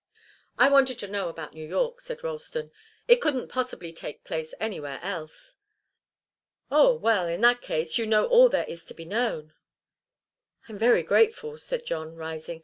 "I wanted to know about New York," said Ralston. "It couldn't possibly take place anywhere else." "Oh well in that case, you know all there is to be known." "I'm very grateful," said John, rising.